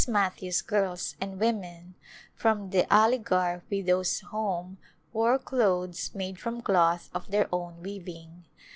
Matthews' girls and women from the Aligarh Widows' Home wore clothes made from cloth of their own weaving.